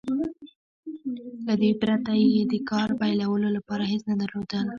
له دې پرته يې د کار پيلولو لپاره هېڅ نه درلودل.